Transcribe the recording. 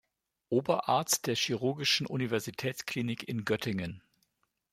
Oberarzt der Chirurgischen Universitätsklinik in Göttingen.